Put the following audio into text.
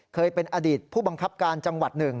เคยเป็นอดีตผู้บังคับการจังหวัดหนึ่ง